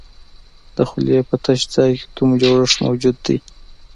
د خولې په تش ځای کې کوم جوړښت موجود دی؟